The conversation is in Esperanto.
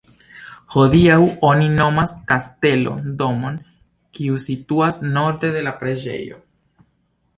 Hodiaŭ oni nomas "Kastelo" domon, kiu situas norde de la preĝejo.